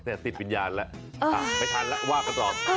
แต่ติดวิญญาณแล้วไม่ทันแล้วว่ากันต่อ